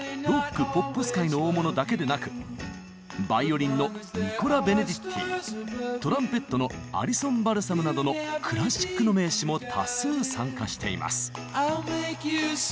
ロックポップス界の大物だけでなくバイオリンのニコラ・ベネディッティトランペットのアリソン・バルサムなどのクラシックの名手も多数参加しています。